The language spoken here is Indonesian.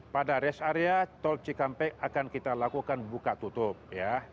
pada rest area tol cikampek akan kita lakukan buka tutup ya